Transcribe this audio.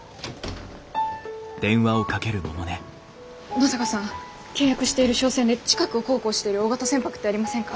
野坂さん契約している商船で近くを航行している大型船舶ってありませんか？